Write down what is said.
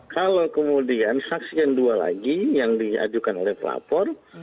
kalau kemudian saksi yang dua lagi yang diajukan oleh pelapor